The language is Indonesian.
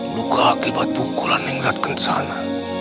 luka akibat pukulan yang beratkan ke sana